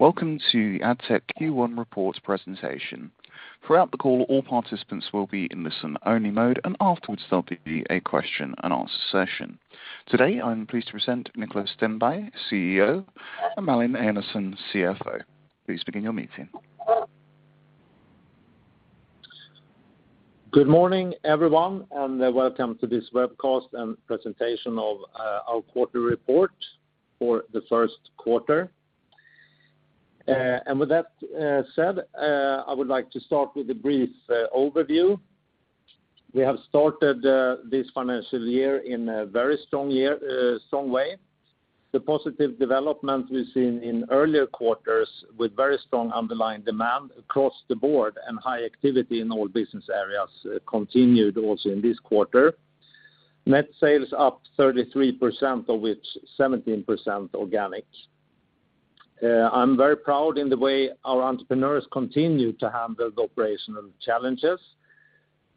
Welcome to the Addtech Q1 report presentation. Throughout the call, all participants will be in listen-only mode, and afterwards there'll be a question and answer session. Today, I'm pleased to present Niklas Stenberg, CEO, and Malin Enarson, CFO. Please begin your meeting. Good morning, everyone, and welcome to this webcast and presentation of our quarterly report for the first quarter. With that said, I would like to start with a brief overview. We have started this financial year in a very strong way. The positive development we've seen in earlier quarters with very strong underlying demand across the board and high activity in all business areas continued also in this quarter. Net sales up 33%, of which 17% organic. I'm very proud in the way our entrepreneurs continue to handle the operational challenges,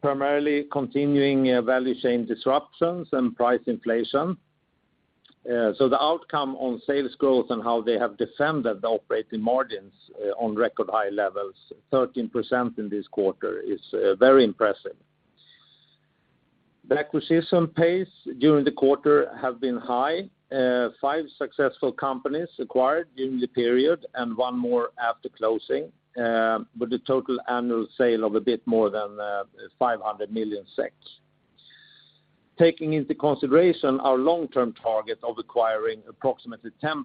primarily continuing value chain disruptions and price inflation. The outcome on sales growth and how they have defended the operating margins on record high levels, 13% in this quarter, is very impressive. The acquisition pace during the quarter have been high, five successful companies acquired during the period and one more after closing, with a total annual sale of a bit more than 500 million SEK. Taking into consideration our long-term target of acquiring approximately 10%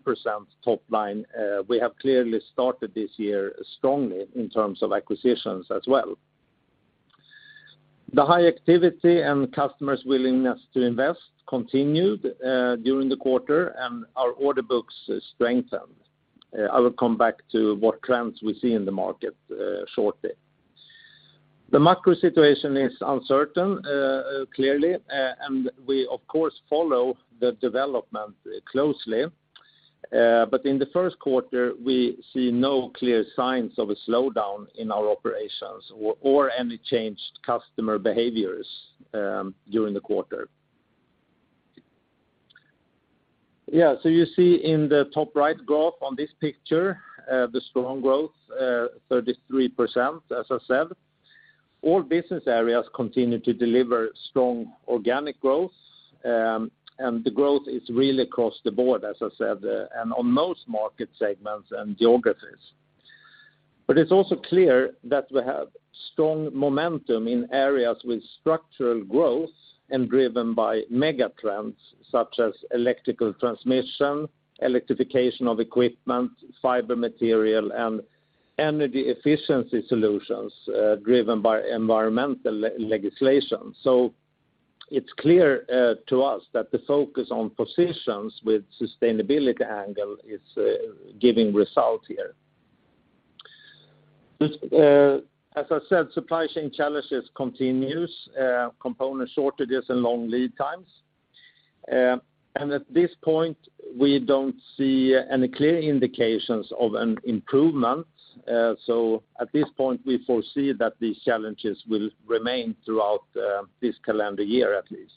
top line, we have clearly started this year strongly in terms of acquisitions as well. The high activity and customers' willingness to invest continued during the quarter and our order books strengthened. I will come back to what trends we see in the market, shortly. The macro situation is uncertain, clearly, and we, of course, follow the development closely. In the first quarter, we see no clear signs of a slowdown in our operations or any changed customer behaviors during the quarter. Yeah, you see in the top right graph on this picture, the strong growth, 33%, as I said. All business areas continue to deliver strong organic growth, and the growth is really across the board, as I said, and on most market segments and geographies. It's also clear that we have strong momentum in areas with structural growth and driven by mega trends such as electrical transmission, electrification of equipment, fiber material, and energy efficiency solutions, driven by environmental legislation. It's clear to us that the focus on positions with sustainability angle is giving results here. Just, as I said, supply chain challenges continues, component shortages and long lead times. At this point, we don't see any clear indications of an improvement. At this point, we foresee that these challenges will remain throughout this calendar year, at least.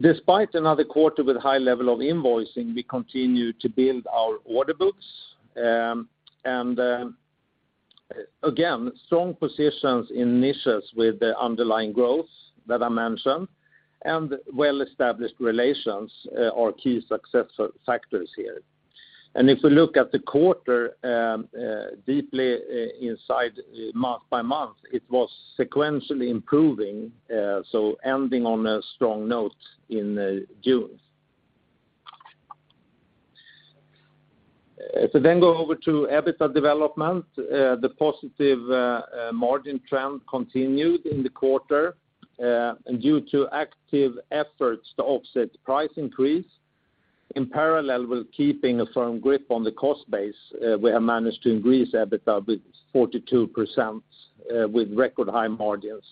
Despite another quarter with high level of invoicing, we continue to build our order books. Again, strong positions in niches with the underlying growth that I mentioned, and well-established relations are key success factors here. If we look at the quarter deeply inside, month by month, it was sequentially improving, so ending on a strong note in June. Go over to EBITDA development. The positive margin trend continued in the quarter, and due to active efforts to offset price increase. In parallel with keeping a firm grip on the cost base, we have managed to increase EBITDA with 42%, with record high margins.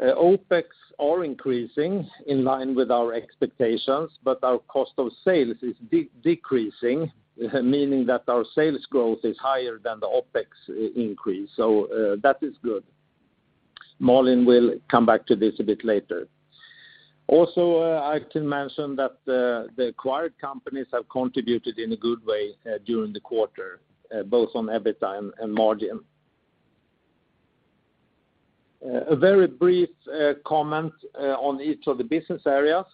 OpEx are increasing in line with our expectations, but our cost of sales is decreasing, meaning that our sales growth is higher than the OpEx increase. That is good. Malin will come back to this a bit later. Also, I can mention that the acquired companies have contributed in a good way during the quarter, both on EBITDA and margin. A very brief comment on each of the business areas.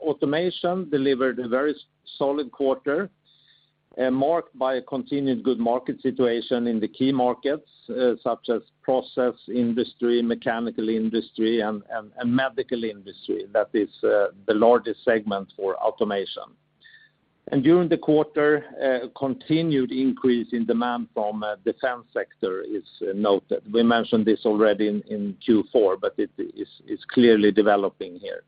Automation delivered a very solid quarter, marked by a continued good market situation in the key markets, such as process industry, mechanical industry, and medical industry. That is the largest segment for Automation. During the quarter, continued increase in demand from defense sector is noted. We mentioned this already in Q4, but it is clearly developing here.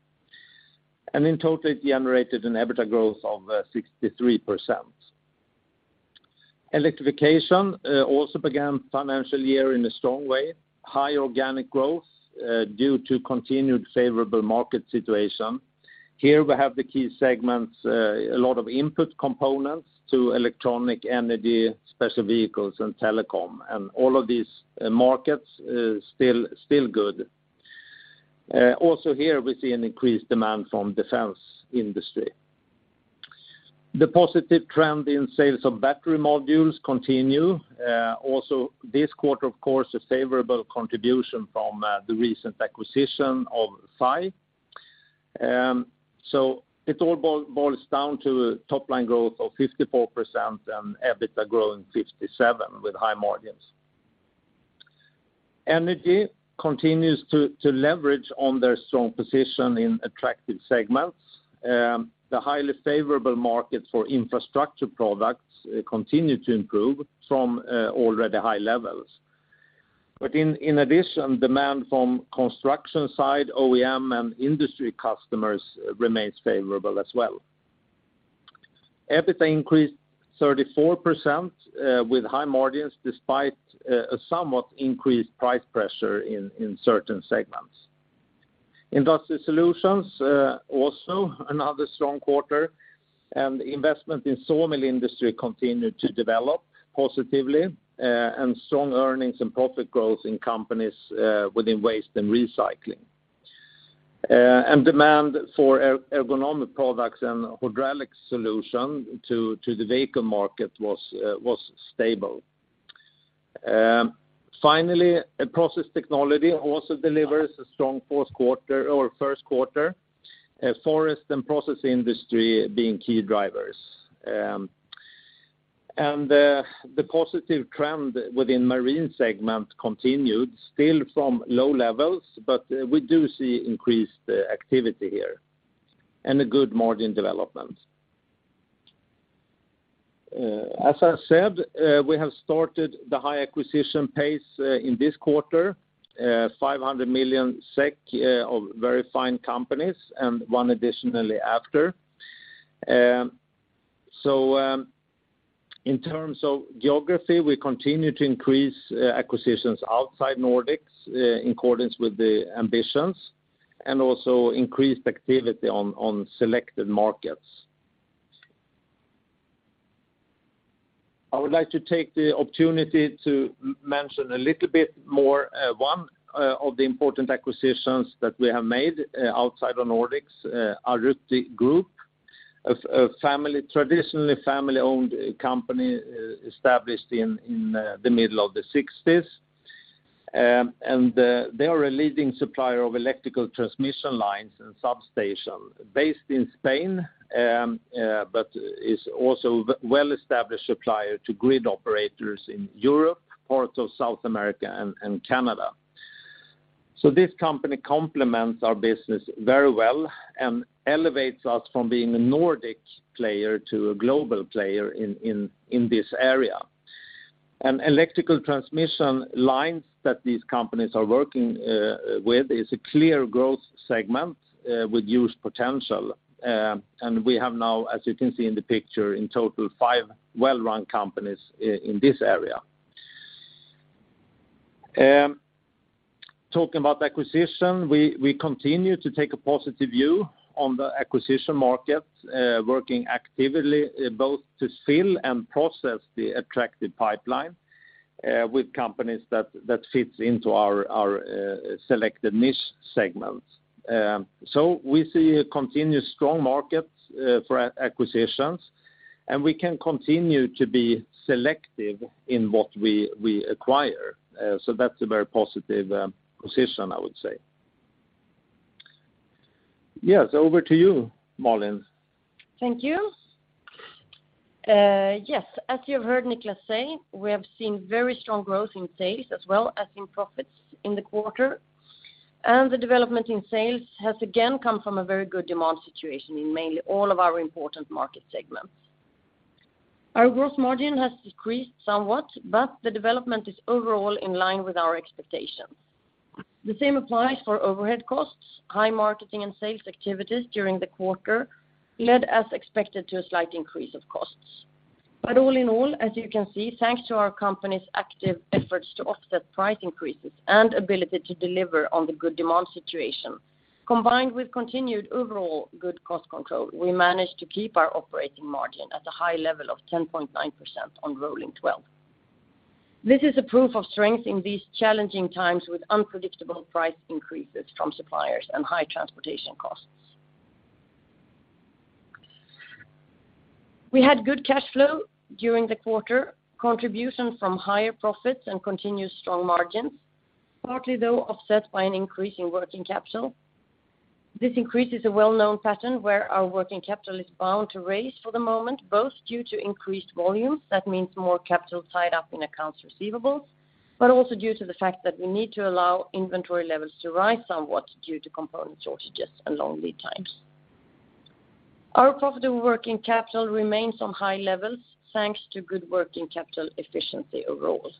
In total, it generated an EBITDA growth of 63%. Electrification also began financial year in a strong way. High organic growth due to continued favorable market situation. Here we have the key segments, a lot of input components to electronics, energy, special vehicles, and telecom. All of these markets is still good. Also here we see an increased demand from defense industry. The positive trend in sales of battery modules continue also this quarter, of course, a favorable contribution from the recent acquisition of SAI. It all boils down to top line growth of 54% and EBITDA growing 57% with high margins. Energy continues to leverage on their strong position in attractive segments. The highly favorable markets for infrastructure products continue to improve from already high levels. In addition, demand from construction side, OEM, and industry customers remains favorable as well. EBITDA increased 34% with high margins despite a somewhat increased price pressure in certain segments. Industrial Solutions also another strong quarter, and investment in sawmill industry continued to develop positively, and strong earnings and profit growth in companies within waste and recycling. Demand for ergonomic products and hydraulic solution to the vehicle market was stable. Finally, Process Technology also delivers a strong fourth quarter or first quarter, forest and process industry being key drivers. The positive trend within marine segment continued still from low levels, but we do see increased activity here and a good margin development. As I said, we have started the high acquisition pace in this quarter, 500 million SEK of very fine companies and one additionally after. In terms of geography, we continue to increase acquisitions outside Nordics in accordance with the ambitions, and also increased activity on selected markets. I would like to take the opportunity to mention a little bit more one of the important acquisitions that we have made outside of Nordics, Arruti Group, a traditionally family-owned company established in the middle of the 1960s. They are a leading supplier of electrical transmission lines and substation based in Spain, but is also a well-established supplier to grid operators in Europe, parts of South America, and Canada. This company complements our business very well and elevates us from being a Nordic player to a global player in this area. Electrical transmission lines that these companies are working with is a clear growth segment with huge potential. We have now, as you can see in the picture, in total five well-run companies in this area. Talking about acquisition, we continue to take a positive view on the acquisition market, working actively both to fill and process the attractive pipeline with companies that fits into our selected niche segments. We see a continuous strong market for acquisitions, and we can continue to be selective in what we acquire. That's a very positive position, I would say. Yes, over to you, Malin. Thank you. Yes, as you heard Niklas say, we have seen very strong growth in sales as well as in profits in the quarter, and the development in sales has again come from a very good demand situation in mainly all of our important market segments. Our gross margin has decreased somewhat, but the development is overall in line with our expectations. The same applies for overhead costs. High marketing and sales activities during the quarter led as expected to a slight increase of costs. All in all, as you can see, thanks to our company's active efforts to offset price increases and ability to deliver on the good demand situation, combined with continued overall good cost control, we managed to keep our operating margin at a high level of 10.9% on rolling 12. This is a proof of strength in these challenging times with unpredictable price increases from suppliers and high transportation costs. We had good cash flow during the quarter, contribution from higher profits and continued strong margins, partly offset by an increase in working capital. This increase is a well-known pattern where our working capital is bound to rise for the moment, both due to increased volumes, that means more capital tied up in accounts receivable, but also due to the fact that we need to allow inventory levels to rise somewhat due to component shortages and long lead times. Our profitable working capital remains on high levels, thanks to good working capital efficiency overall.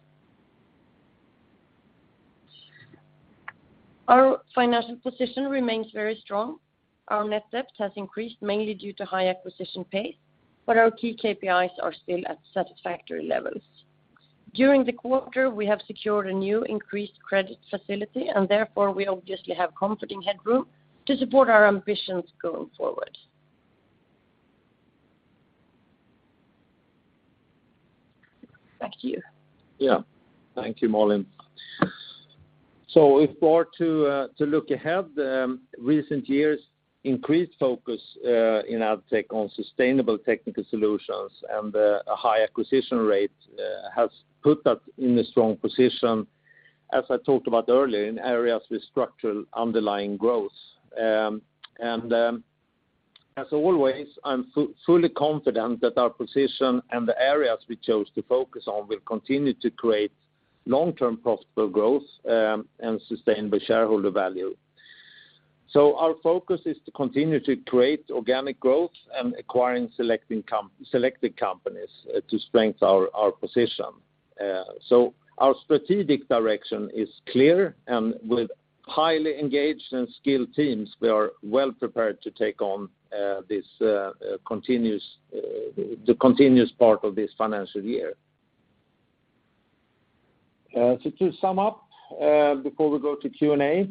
Our financial position remains very strong. Our net debt has increased mainly due to high acquisition pace, but our key KPIs are still at satisfactory levels. During the quarter, we have secured a new increased credit facility, and therefore, we obviously have comforting headroom to support our ambitions going forward. Yeah. Thank you, Malin. If we are to look ahead, recent years increased focus in Addtech on sustainable technical solutions and a high acquisition rate has put that in a strong position, as I talked about earlier, in areas with structural underlying growth. As always, I'm fully confident that our position and the areas we chose to focus on will continue to create long-term profitable growth and sustainable shareholder value. Our focus is to continue to create organic growth and acquiring selected companies to strengthen our position. Our strategic direction is clear, and with highly engaged and skilled teams, we are well prepared to take on the continuous part of this financial year. To sum up, before we go to Q&A,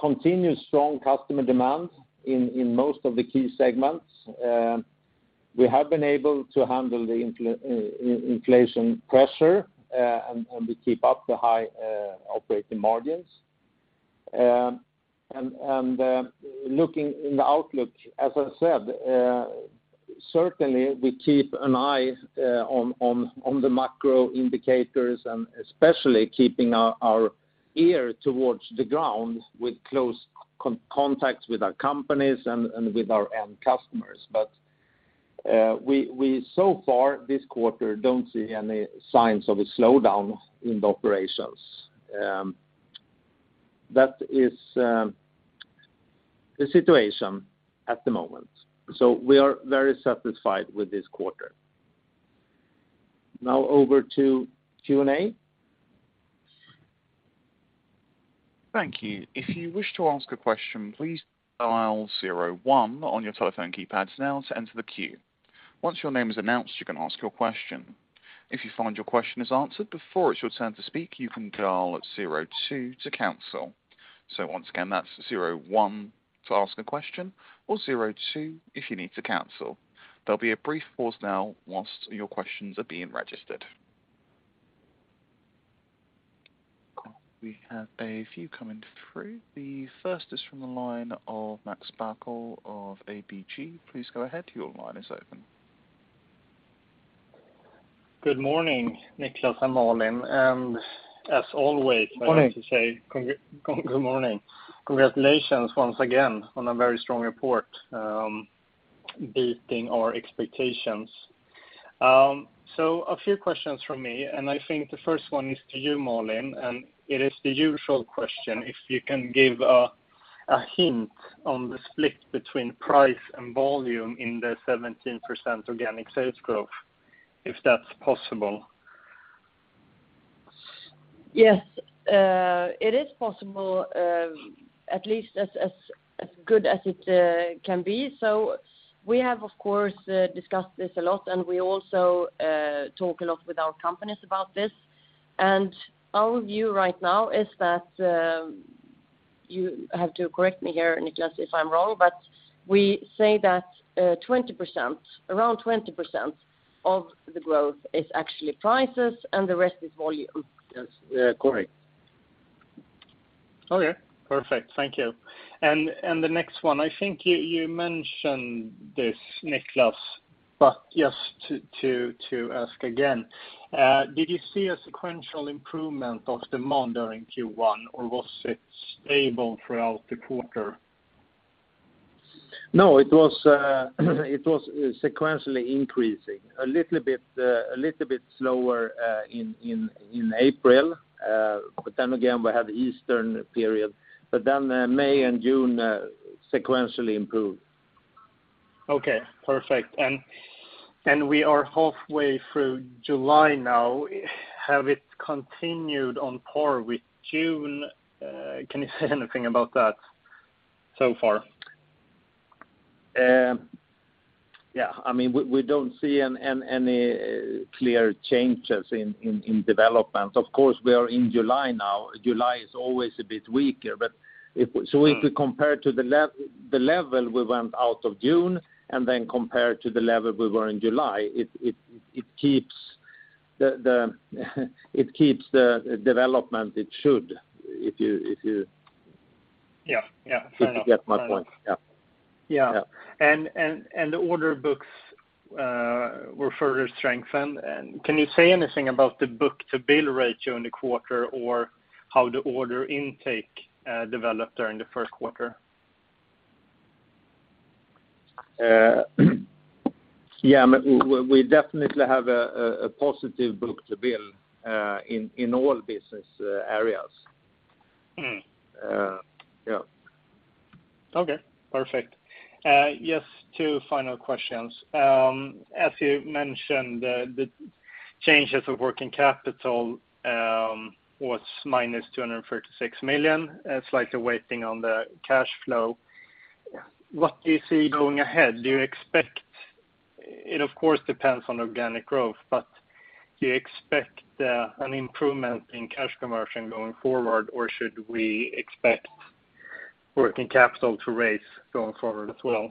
continuous strong customer demand in most of the key segments. We have been able to handle the inflation pressure, and we keep up the high operating margins. Looking in the outlook, as I said, certainly we keep an eye on the macro indicators and especially keeping our ear towards the ground with close contact with our companies and with our end customers. We so far this quarter don't see any signs of a slowdown in the operations. That is the situation at the moment. We are very satisfied with this quarter. Now over to Q&A. Thank you. If you wish to ask a question, please dial zero one on your telephone keypads now to enter the queue. Once your name is announced, you can ask your question. If you find your question is answered before it's your turn to speak, you can dial at zero two to cancel. Once again, that's zero one to ask a question or zero two if you need to cancel. There'll be a brief pause now while your questions are being registered. We have a few coming through. The first is from the line of Max Scheffel of ABG Sundal Collier. Please go ahead. Your line is open. Good morning, Niklas and Malin. As always. Morning I have to say good morning. Congratulations once again on a very strong report, beating our expectations. A few questions from me, and I think the first one is to you, Malin, and it is the usual question, if you can give a hint on the split between price and volume in the 17% organic sales growth, if that's possible. Yes. It is possible, at least as good as it can be. We have, of course, discussed this a lot, and we also talk a lot with our companies about this. Our view right now is that you have to correct me here, Niklas, if I'm wrong, but we say that 20%, around 20% of the growth is actually prices, and the rest is volume. Yes. Correct. Okay. Perfect. Thank you. The next one, I think you mentioned this, Niklas, but just to ask again, did you see a sequential improvement of demand during Q1, or was it stable throughout the quarter? No, it was sequentially increasing. A little bit slower in April. Again, we have Easter period. May and June, sequentially improved. Okay. Perfect. We are halfway through July now. Have it continued on par with June? Can you say anything about that so far? Yeah. I mean, we don't see any clear changes in development. Of course, we are in July now. July is always a bit weaker. Right If we compare to the level we went out of June and then compare to the level we were in July, it keeps the development it should, if you. Yeah. Yeah. Fair enough. If you get my point. Yeah. Yeah. Yeah. The order books were further strengthened. Can you say anything about the book-to-bill ratio in the quarter or how the order intake developed during the first quarter? Yeah. We definitely have a positive book-to-bill in all business areas. Mm. Yeah. Okay. Perfect. Just two final questions. As you mentioned, the changes in working capital was -236 million. It's like a tailwind on the cash flow. Yeah. What do you see going ahead? It, of course, depends on organic growth, but do you expect an improvement in cash conversion going forward, or should we expect working capital to rise going forward as well?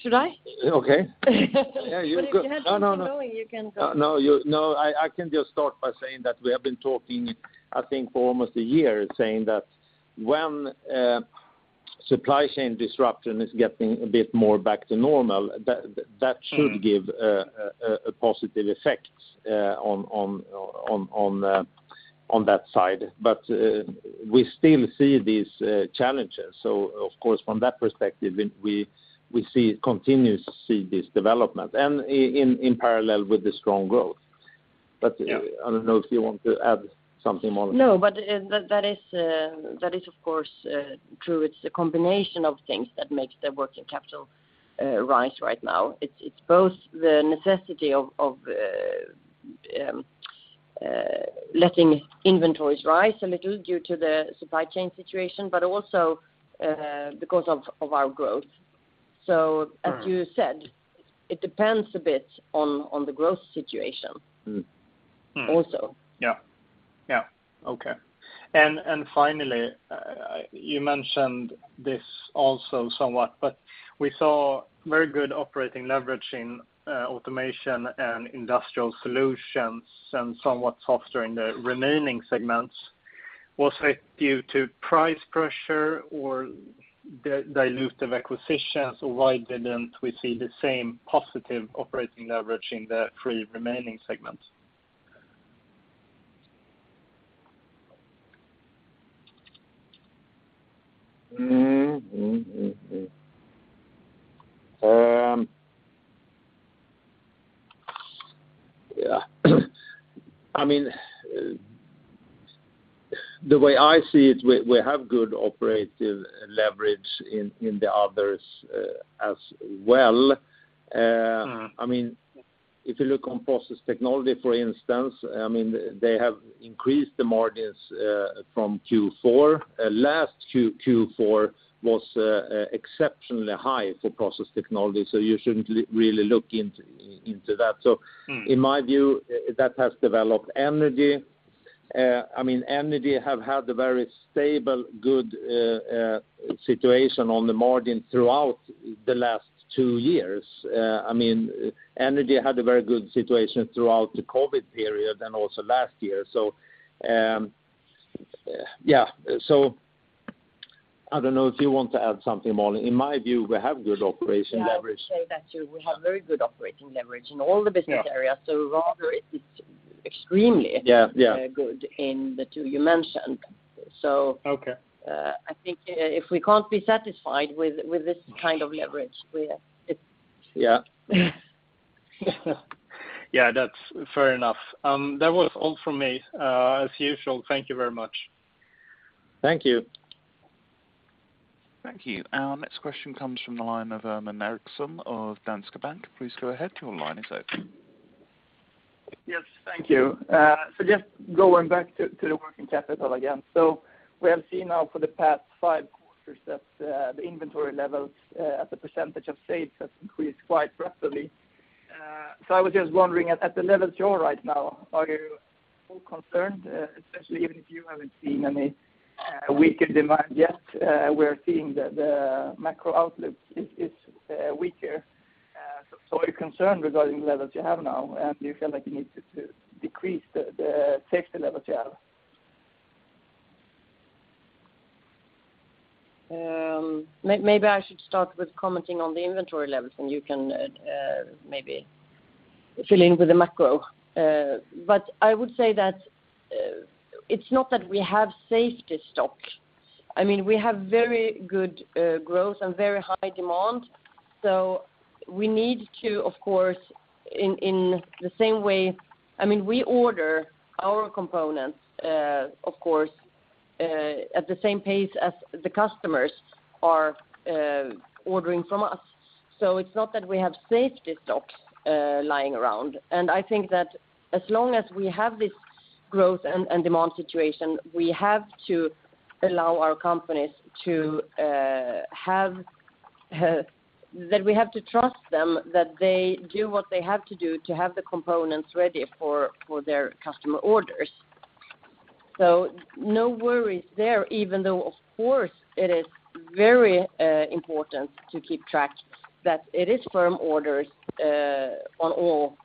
Should I? Okay. Yeah, you go. If you have something going, you can go. No, I can just start by saying that we have been talking, I think, for almost a year saying that when supply chain disruption is getting a bit more back to normal, that should give a positive effect on that side. We still see these challenges. Of course, from that perspective, we continue to see this development, and in parallel with the strong growth. Yeah. I don't know if you want to add something, Malin. No, that is, of course, true. It's a combination of things that makes the working capital rise right now. It's both the necessity of letting inventories rise a little due to the supply chain situation, but also because of our growth. As you said, it depends a bit on the growth situation. Mm-hmm. -also. Yeah. Okay. Finally, you mentioned this also somewhat, but we saw very good operating leverage in Automation and Industrial Solutions and somewhat softer in the remaining segments. Was it due to price pressure or dilutive acquisitions, or why didn't we see the same positive operating leverage in the three remaining segments? Yeah. I mean, the way I see it, we have good operating leverage in the others as well. Mm-hmm. I mean, if you look on Process Technology, for instance, I mean, they have increased the margins from Q4. Last Q4 was exceptionally high for Process Technology, so you shouldn't really look into that. Mm. In my view, that has developed. Energy, I mean, Energy have had a very stable, good situation on the margin throughout the last two years. I mean, Energy had a very good situation throughout the COVID period and also last year. Yeah. I don't know if you want to add something, Malin. In my view, we have good operational leverage. Yeah, I would say that, too. We have very good operating leverage in all the business areas. Yeah. Rather it's extremely. Yeah, yeah. Good in the two you mentioned. Okay. I think if we can't be satisfied with this kind of leverage, it's Yeah. Yeah, that's fair enough. That was all from me. As usual, thank you very much. Thank you. Thank you. Our next question comes from the line of Herman Eriksson of Danske Bank. Please go ahead, your line is open. Yes, thank you. Just going back to the working capital again. We have seen now for the past five quarters that the inventory levels as a percentage of sales has increased quite rapidly. I was just wondering, at the levels you are right now, are you at all concerned, especially even if you haven't seen any weaker demand yet, we're seeing the macro outlook is weaker. Are you concerned regarding the levels you have now, and do you feel like you need to decrease the safety levels you have? Maybe I should start with commenting on the inventory levels, and you can maybe fill in with the macro. I would say that it's not that we have safety stock. I mean, we have very good growth and very high demand, so we need to, of course, in the same way. I mean, we order our components, of course, at the same pace as the customers are ordering from us. It's not that we have safety stocks lying around. I think that as long as we have this growth and demand situation, we have to allow our companies to have that we have to trust them, that they do what they have to do to have the components ready for their customer orders. No worries there, even though of course it is very important to keep track that it is firm orders from all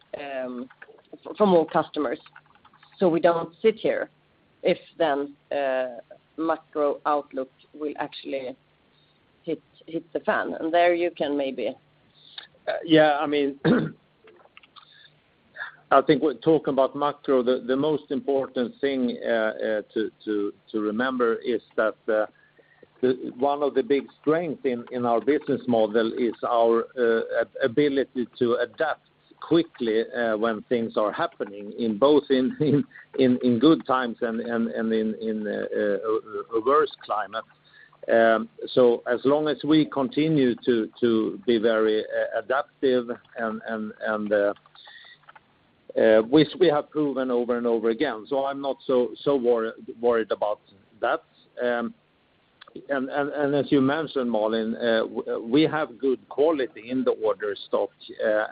customers, so we don't sit here if the macro outlook will actually hit the fan. There you can maybe. Yeah, I mean, I think when talking about macro, the most important thing to remember is that one of the big strengths in our business model is our ability to adapt quickly when things are happening in both good times and in adverse climate. As long as we continue to be very adaptive, which we have proven over and over again, I'm not so worried about that. As you mentioned, Malin, we have good quality in the order stock,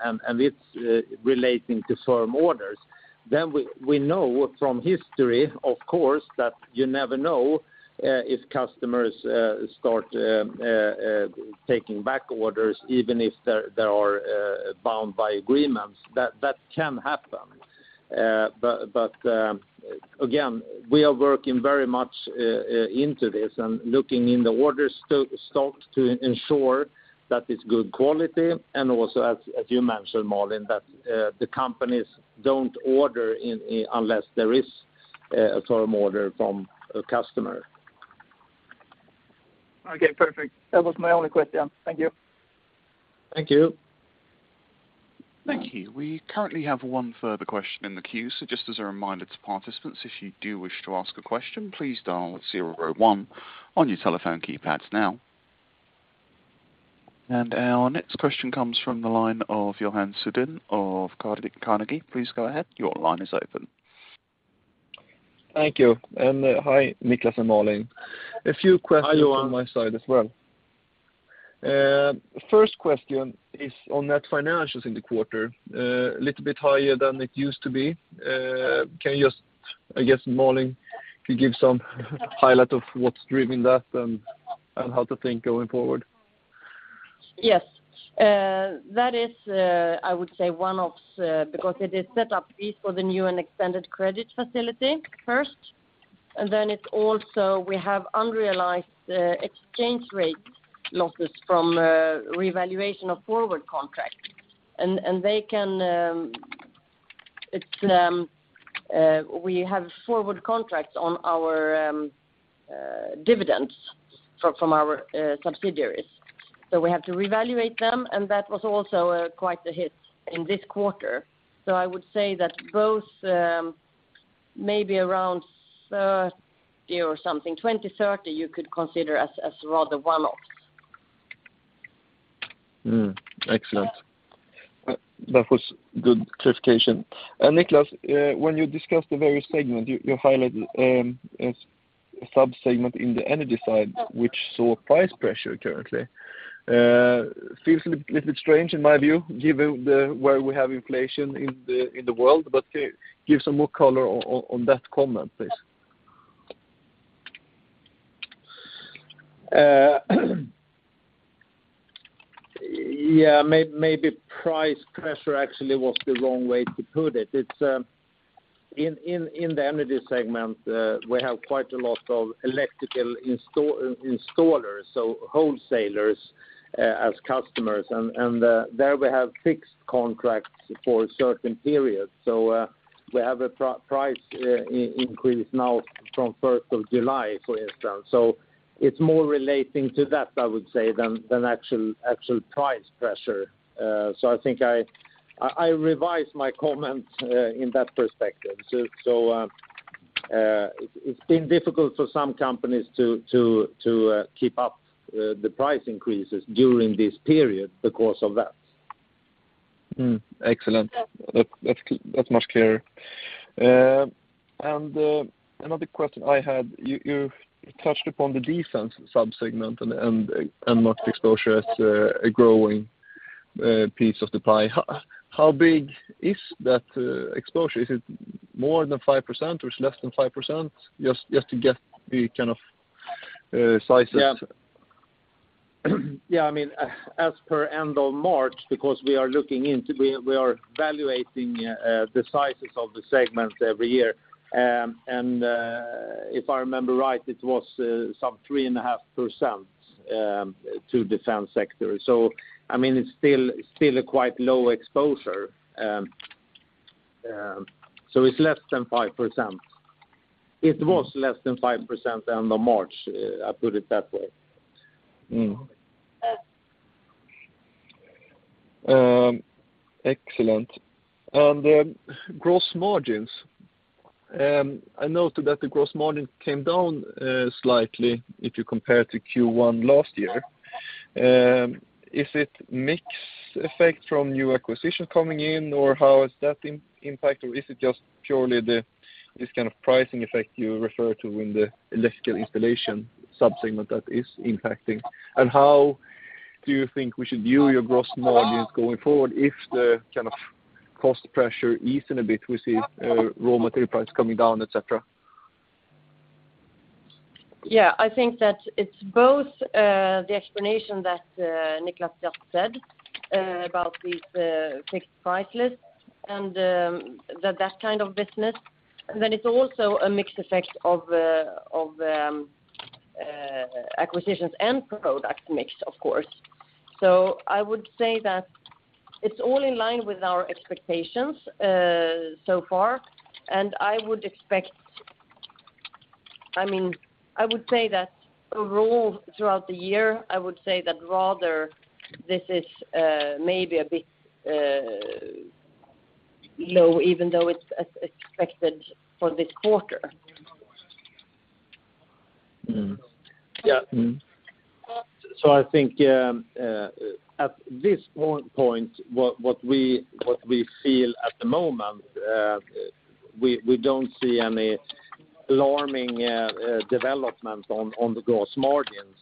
and it's relating to firm orders. We know from history, of course, that you never know if customers start taking back orders even if they are bound by agreements. That can happen. Again, we are working very much into this and looking in the order stock to ensure that it's good quality and also as you mentioned, Malin, that the companies don't order unless there is a firm order from a customer. Okay, perfect. That was my only question. Thank you. Thank you. Thank you. We currently have one further question in the queue. Just as a reminder to participants, if you do wish to ask a question, please dial star one on your telephone keypads now. Our next question comes from the line of Johan Sundén of Carnegie. Please go ahead. Your line is open. Thank you. Hi, Niklas and Malin. Hi, Johan. A few questions on my side as well. First question is on net financials in the quarter, a little bit higher than it used to be. Can you just, I guess, Malin, can give some highlight of what's driving that and how to think going forward? Yes. That is, I would say one of because it is setup fees for the new and extended credit facility first, and then it's also we have unrealized exchange rate losses from revaluation of forward contracts. We have forward contracts on our dividends from our subsidiaries. We have to revalue them, and that was also quite the hit in this quarter. I would say that both maybe around 30 or something, 20-30, you could consider as rather one-off. Excellent. That was good clarification. Niklas, when you discussed the various segment, you highlighted a sub-segment in the energy side, which saw price pressure currently. Seems a little strange in my view given where we have inflation in the world, but can you give some more color on that comment, please? Maybe price pressure actually was the wrong way to put it. It's in the energy segment we have quite a lot of electrical installers, so wholesalers, as customers. There, we have fixed contracts for a certain period. We have a price increase now from first of July, for instance. It's more relating to that, I would say, than actual price pressure. I think I revise my comment in that perspective. It's been difficult for some companies to keep up the price increases during this period because of that. Excellent. That's much clearer. Another question I had, you touched upon the defense sub-segment and much exposure as a growing piece of the pie. How big is that exposure? Is it more than 5% or it's less than 5%? Just to get the kind of sizes. Yeah. Yeah, I mean, as per end of March, because we are valuating the sizes of the segment every year. If I remember right, it was some 3.5% to defense sector. I mean, it's still a quite low exposure. It's less than 5%. It was less than 5% end of March, I put it that way. Excellent. On the gross margins, I noted that the gross margin came down slightly if you compare to Q1 last year. Is it mix effect from new acquisitions coming in, or how is that impact? Or is it just purely the this kind of pricing effect you refer to in the electrical installation sub-segment that is impacting? How do you think we should view your gross margins going forward if the kind of cost pressure eases a bit, we see raw material prices coming down, et cetera? Yeah. I think that it's both the explanation that Niklas just said about these fixed price lists and that kind of business. It's also a mix effect of acquisitions and product mix, of course. I would say that it's all in line with our expectations so far. I would expect. I mean, I would say that overall throughout the year, I would say that rather this is maybe a bit low, even though it's as expected for this quarter. Yeah. Mm. I think at this point what we feel at the moment we don't see any alarming development on the gross margins.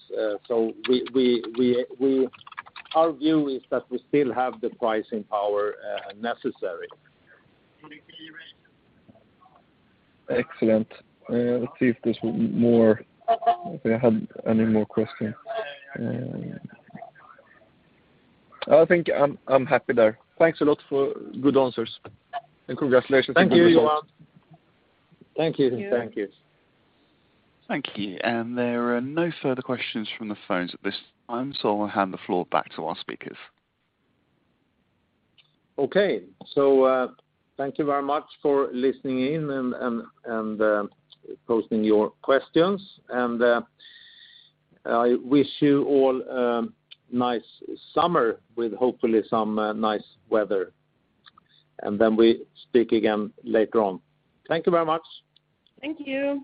Our view is that we still have the pricing power necessary. Excellent. Let's see if there's more, if we had any more questions. I think I'm happy there. Thanks a lot for good answers, and congratulations on the results. Thank you, Johan. Thank you. Thank you. Thank you. Thank you. There are no further questions from the phones at this time, so I'll hand the floor back to our speakers. Thank you very much for listening in and posting your questions. I wish you all a nice summer with hopefully some nice weather. We speak again later on. Thank you very much. Thank you.